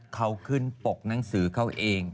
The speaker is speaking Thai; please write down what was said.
เขาขึ้นปกหนังสือเขาเอง